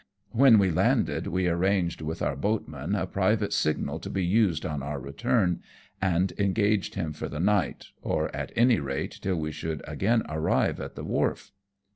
When we landed we arranged with our boatman a private signal to be used on our return^ and engaged him for the night, or at any rate till we should again arrive at the wharf.